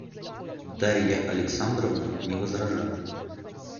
Дарья Александровна не возражала.